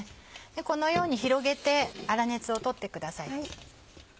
このように広げて粗熱を取ってください。